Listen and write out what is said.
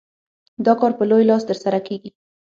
دا کار په لوی لاس ترسره کېږي.